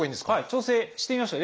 調整してみましょう。